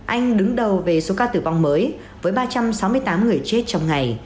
anh đứng đầu về số ca tử vong mới với ba trăm sáu mươi tám người chết trong ngày